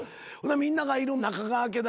みんながいる中川家だ